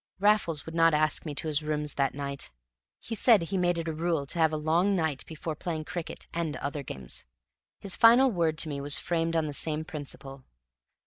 Raffles would not ask me to his rooms that night. He said he made it a rule to have a long night before playing cricket and other games. His final word to me was framed on the same principle.